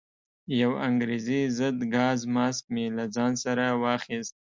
یو انګریزي ضد ګاز ماسک مې له ځان سره واخیست.